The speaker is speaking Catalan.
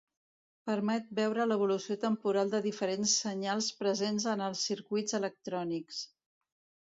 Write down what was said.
Permet veure l'evolució temporal de diferents senyals presents en els circuits electrònics.